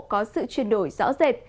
có sự chuyển đổi rõ rệt